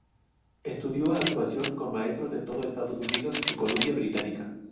Estudió actuación con maestros de todo Estados Unidos y la Columbia Británica.